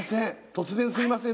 突然すいません